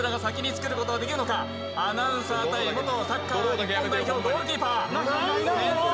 アナウンサー対サッカー日本代表ゴールキーパー。